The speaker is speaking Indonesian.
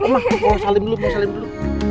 salim dulu salim dulu